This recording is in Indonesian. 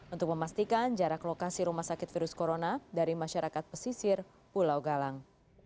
untuk memastikan jarak lokasi rumah sakit virus corona dari masyarakat pesisir pulau galang